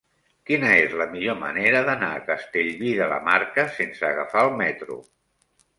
Quina és la millor manera d'anar a Castellví de la Marca sense agafar el metro?